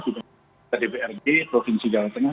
di dprd provinsi jalan tengah